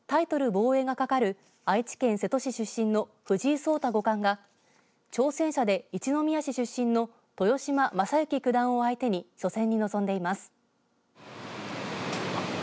防衛が懸かる愛知県瀬戸市出身の藤井聡太五冠が挑戦者で一宮市出身の豊島将之九段を相手に初戦に臨んでいます。